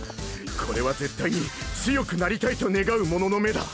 これは絶対に強くなりたいと願う者の目だ。